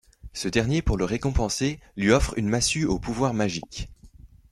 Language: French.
Ce dernier pour le récompenser lui offre une massue aux pouvoirs magiques.